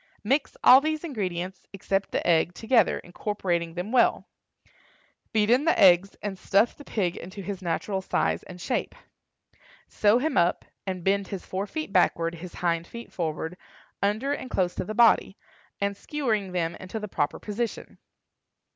Mix all these ingredients, except the egg, together, incorporating them well; beat in the eggs, and stuff the pig into his natural size and shape. Sew him up, and bend his fore feet backward, his hind feet forward, under and close to the body, and skewering them into the proper position.